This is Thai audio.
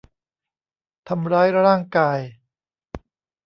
ทำร้ายร่างกาย